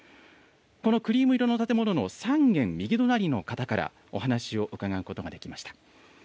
このクリーム色の建物の３軒右隣の方からお話を伺うことができました。